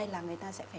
là người ta sẽ phải